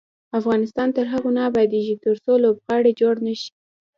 افغانستان تر هغو نه ابادیږي، ترڅو لوبغالي جوړ نشي.